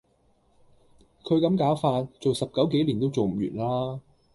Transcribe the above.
佢咁攪法，做十九幾年都做唔完啦